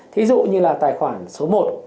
thí dụ như là tài khoản số một